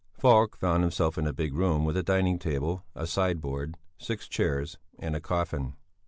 Falk found himself in a big room with a dining table, a sideboard, six chairs, and a coffin.